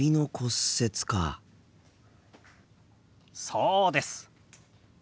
そうです。